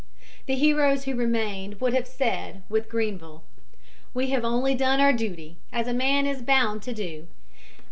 The heroes who remained would have said, with Grenville. "We have only done our duty, as a man is bound to do."